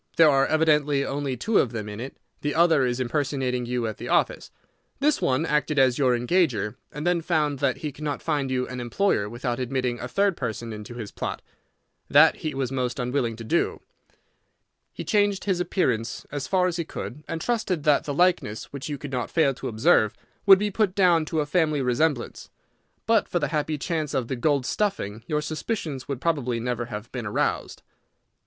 There are evidently only two of them in it. The other is impersonating you at the office. This one acted as your engager, and then found that he could not find you an employer without admitting a third person into his plot. That he was most unwilling to do. He changed his appearance as far as he could, and trusted that the likeness, which you could not fail to observe, would be put down to a family resemblance. But for the happy chance of the gold stuffing, your suspicions would probably never have been aroused."